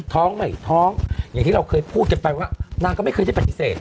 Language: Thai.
ท้องใหม่ท้องอย่างที่เราเคยพูดกันไปว่านางก็ไม่เคยได้ปฏิเสธ